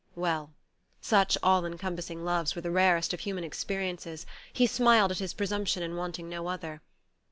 Well such all encompassing loves were the rarest of human experiences; he smiled at his presumption in wanting no other.